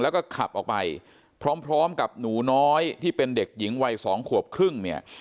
แล้วก็ขับออกไปพร้อมกับหนูน้อยที่เป็นเด็กหญิงวัยสองขวบครึ่งเนี่ย